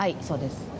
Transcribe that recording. そうです。